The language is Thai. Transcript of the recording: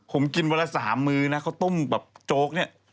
ผมกินวันละ๓มื้อนะเขาต้มแบบโจ๊กเนี่ย